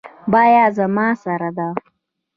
بیه زما سره ده